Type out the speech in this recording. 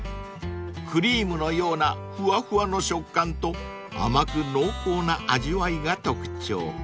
［クリームのようなフワフワの食感と甘く濃厚な味わいが特徴］